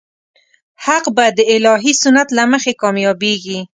حق به د الهي سنت له مخې کامیابېږي.